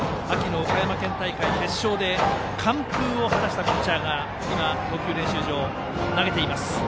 秋の岡山県大会決勝で完封を果たしたピッチャーが今、投球練習場で投げています。